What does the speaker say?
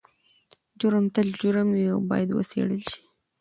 جرم تل جرم وي او باید وڅیړل شي.